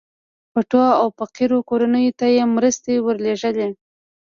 پټو او فقيرو کورنيو ته يې مرستې ورلېږلې.